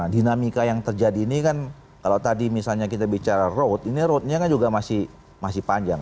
dinamika yang terjadi ini kan kalau tadi misalnya kita bicara road ini roadnya kan juga masih panjang